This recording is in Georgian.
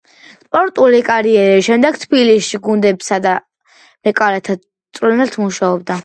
სპორტული კარიერის შემდეგ თბილისში გუნდებისა და მეკარეთა მწვრთნელად მუშაობდა.